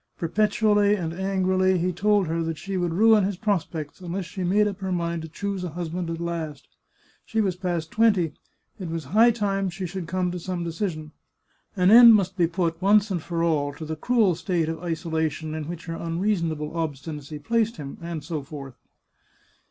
Perpetually and angrily he told her that she would ruin his prospects unless she made up her mind to choose a hus band at last. She was past twenty; it was high time she should come to some decision. An end must be put, once for all, to the cruel state of isolation in which her unreasonable obstinacy placed him, and so forth.